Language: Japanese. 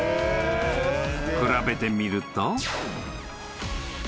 ［比べてみると］